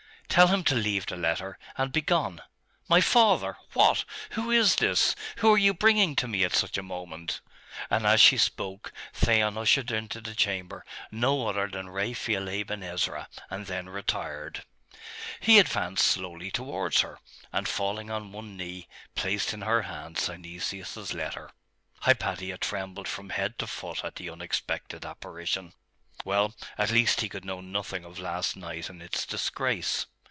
'Tell him to leave the letter, and begone.... My father? What? Who is this? Who are you bringing to me at such a moment?' And as she spoke, Theon ushered into the chamber no other than Raphael Aben Ezra, and then retired. He advanced slowly towards her, and falling on one knee, placed in her hand Synesius's letter. Hypatia trembled from head to foot at the unexpected apparition.... Well; at least he could know nothing of last night and its disgrace.